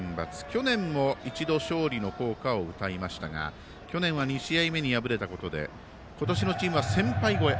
去年も一度勝利の校歌を歌いましたが去年は２試合目に敗れたことで今年のチームは先輩越え。